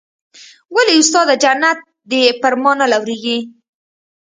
ولې استاده جنت دې پر ما نه لورېږي.